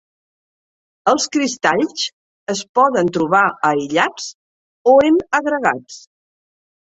Els cristalls es poden trobar aïllats o en agregats.